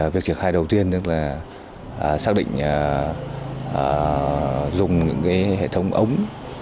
việc triển khai đầu tiên tức là xác định dùng những hệ thống ống